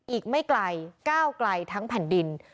อีกไม่ไกลก้าวไกลทั้งแผ่นดิน